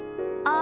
「あ」。